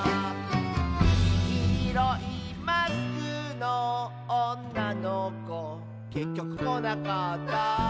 「きいろいマスクのおんなのこ」「けっきょくこなかった」